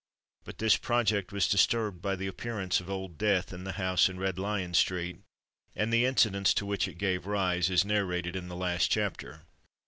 But this project was disturbed by the appearance of Old Death in the house in Red Lion Street, and the incidents to which it gave rise, as narrated in the last chapter.